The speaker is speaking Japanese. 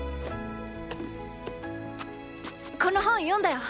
この本読んだよ！